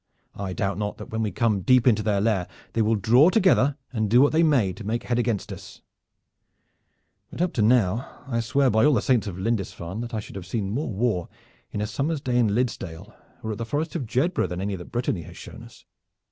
I doubt not that when we come deep into their land they will draw together and do what they may to make head against us; but up to now I swear by all the saints of Lindisfarne that I should have seen more war in a summer's day in Liddesdale or at the Forest of Jedburgh than any that Brittany has shown us.